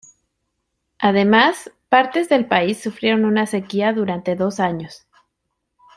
Además, partes del país sufrieron una sequía durante dos años.